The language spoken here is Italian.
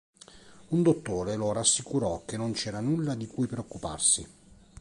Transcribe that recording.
Un dottore lo rassicurò che non c'era nulla di cui preoccuparsi.